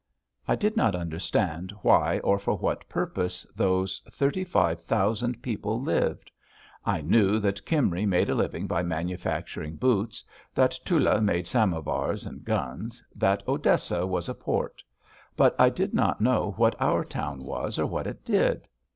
I did not understand why or for what purpose those thirty five thousand people lived. I knew that Kimry made a living by manufacturing boots, that Tula made samovars and guns, that Odessa was a port; but I did not know what our town was or what it did.